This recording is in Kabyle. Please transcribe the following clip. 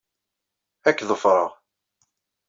Ad k-ḍefreɣ.